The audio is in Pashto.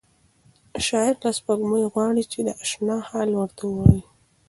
شاعر له سپوږمۍ غواړي چې د اشنا حال ورته ووایي.